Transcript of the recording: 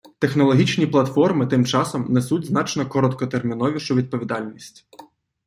Технологічні платформи, тим часом, несуть значно короткотерміновішу відповідальність.